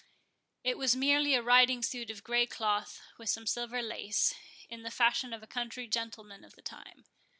It was merely a riding suit of grey cloth, with some silver lace, in the fashion of a country gentleman of the time.